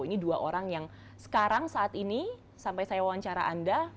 ini dua orang yang sekarang saat ini sampai saya wawancara anda